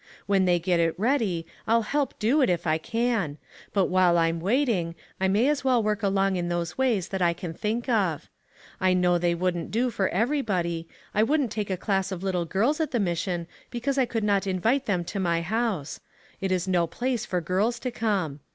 When they get it ready I'll help do it if I can ; but while I'm waiting, I may as well work along in those ways that I can think of. I know they wouldn't do for everybody; I wouldn't take a class of little girls at the Mission, because I could not in vite them to my house ; it is no place for girls to come.